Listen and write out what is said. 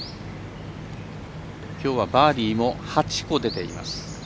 きょうはバーディーも８個出ています。